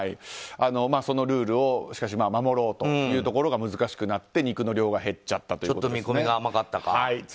そのルールをしかし守ろうというのが難しくなって肉の量が減っちゃったということです。